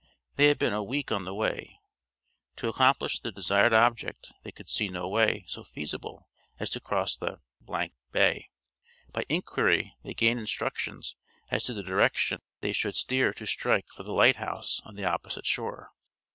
They had been a week on the way. To accomplish the desired object they could see no way so feasible as to cross the Bay. By inquiry they gained instructions as to the direction they should steer to strike for the lighthouse on the opposite shore.